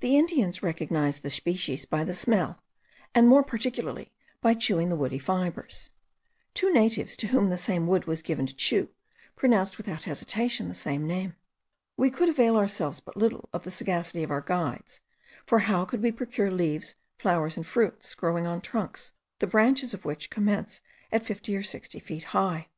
The Indians recognize the species by the smell, and more particularly by chewing the woody fibres. Two natives, to whom the same wood was given to chew, pronounced without hesitation the same name. We could avail ourselves but little of the sagacity of our guides, for how could we procure leaves, flowers, and fruits growing on trunks, the branches of which commence at fifty or sixty feet high?